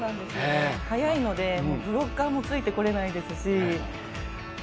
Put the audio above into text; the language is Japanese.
速いので、ブロッカーもついてこれないですし。